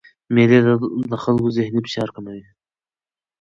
مېلې د خلکو ذهني فشار کموي.